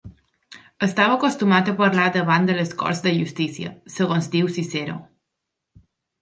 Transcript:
Estava acostumat a parlar davant de les corts de justícia, segons diu Ciceró.